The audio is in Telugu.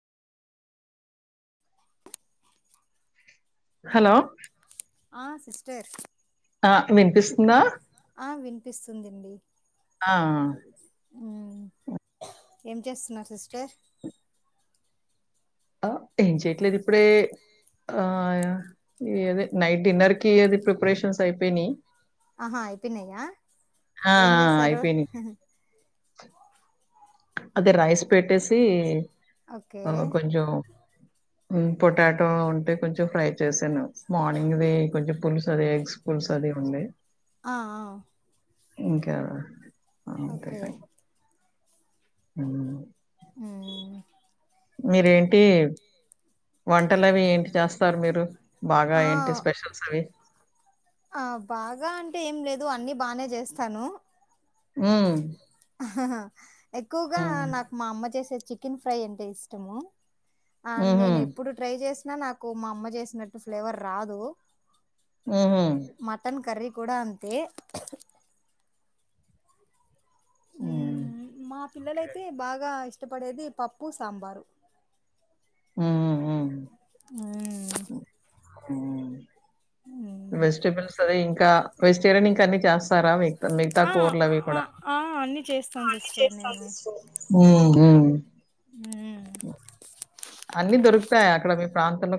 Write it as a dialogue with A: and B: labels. A: హలో
B: ఆ సిస్టర్
A: ఆ వి
B: ఆ వినిపిస్తుంది
A: ఆ
B: ఏం చేస్తున్నారు సిస్టర్
A: ఆ ఏం చేయట్లేదు ఇప్పుడే ఆ అద నైట్ డిన్నర్ కి అది ప్రిపరేషన్స్ అయిపోయినాయి
B: ఆహా అయిపోయినాయా
A: ఆ,
B: ఏం చేసారు
A: అయిపోయినాయి అదే రైస్ పెట్టేసి
B: ఓకే
A: అ కొంచం హు పొటాటో ఉంటే కొంచెం ఫ్రై చేశాను మార్నింగ్ది కొంచెం పుల్స్ అది ఎగ్స్ పుల్స్ అది ఉంది
B: ఆ
A: ఇంకా అంతె
B: ఓకే
A: హు
B: హు
A: మీరేంటి వంటలవి ఏంటి చేస్తారు మీరు బాగా
B: ఆ
A: ఏంటి స్పెషల్స్ అవి
B: ఆ బాగా అంటే ఏం లేదు అన్ని బానే చేస్తాను
A: ఊ
B: అహహహ ఎక్కువగా నాకు మా అమ్మ చేసే చికెన్ ఫ్రై ఎంత ఇష్టమో ఆ నేను
A: ఉహుం,
B: ఎప్పుడు ట్రై చేసి నాకు మా అమ్మ చేసినట్టు ఫ్లేవర్ రాదు
A: ఉహుం.
B: మటన్ కర్రీ కూడా అంతే
A: హ్మ్.
B: ఊమ్ మా
A: ఓకే.
B: పిల్లలైతే బాగా ఇష్ట ఇష్టపడేది పప్పు సాంబారు
A: ఊహు
B: ఊమ్
A: హు వెజిటెబల్స్ అవి ఇ ఇంకా వెజిటేరియన్ ఇంకా అన్ని చేస్తా రా మి మిగతా
B: ఆ
A: కూర్లు అవి
B: ఆ
A: కూడా
B: ఆ అన్ని చేస్తాను సిస్టర్ నేను
A: ఊ ఊ
B: ఉమ్
A: అన్ని దొరుకుతాయ అక్కడ మీకు ప్రాంతంలో